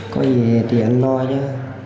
có gì thì anh lo chứ